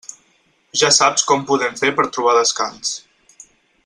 Ja saps com podem fer per a trobar descans.